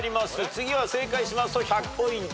次は正解しますと１００ポイント。